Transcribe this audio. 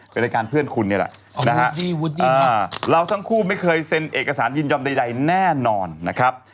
เป็นรายการเพื่อนคุณนี่แหละนะฮะเราทั้งคู่ไม่เคยเซ็นเอกสารยินยอมใดแน่นอนนะครับ